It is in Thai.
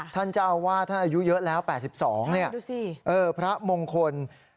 ท่านเจ้าว่าท่านอายุเยอะแล้ว๘๒เนี่ยพระมงคล